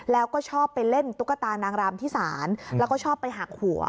แล้วก็ชอบไปเล่นตุ๊กตานางรำที่ศาลแล้วก็ชอบไปหักหัว